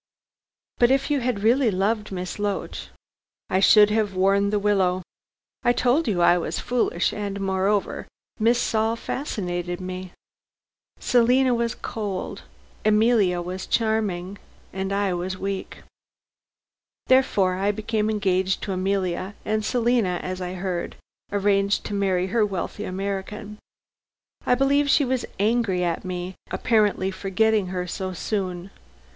"But if you had really loved Miss Loach " "I should have worn the willow. I told you I was foolish, and, moreover, Miss Saul fascinated me. Selina was cold, Emilia was charming, and I was weak. Therefore, I became engaged to Emilia, and Selina as I heard, arranged to marry her wealthy American. I believe she was angry at my apparently forgetting her so soon.